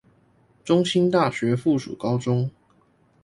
中興大學附屬高中